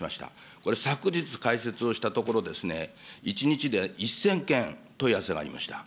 これ、昨日開設をしたところ、１日で１０００件、問い合わせがありました。